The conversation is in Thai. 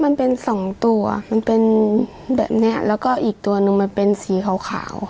มันเป็นสองตัวมันเป็นแบบเนี้ยแล้วก็อีกตัวหนึ่งมันเป็นสีขาว